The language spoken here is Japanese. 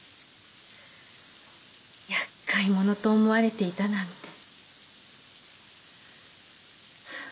やっかい者と思われていたなんて。